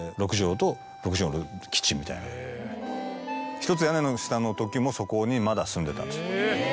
『ひとつ屋根の下』の時もそこにまだ住んでたんです。